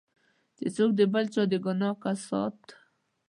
چې څوک د بل چا د ګناه کسات.